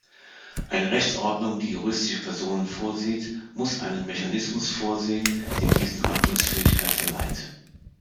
Eine Rechtsordnung, die juristische Personen vorsieht, muss einen Mechanismus vorsehen, der diesen Handlungsfähigkeit verleiht.